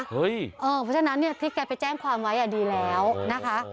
เพราะฉะนั้นที่แกไปแจ้งความไว้ดีแล้วนะคะ